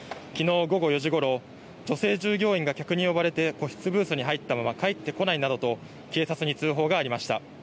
きのう午後４時ごろ女性従業員が客に呼ばれて個室ブースに入ったまま帰ってこないなどと警察に通報がありました。